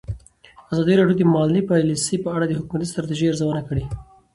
ازادي راډیو د مالي پالیسي په اړه د حکومتي ستراتیژۍ ارزونه کړې.